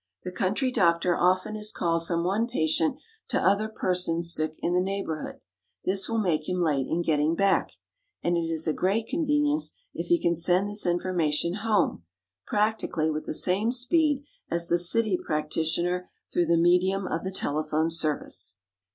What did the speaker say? The country doctor often is called from one patient to other persons sick in the neighborhood. This will make him late in getting back, and it is a great convenience if he can send this information home, practically with the same speed as the city practitioner through the medium of the telephone service.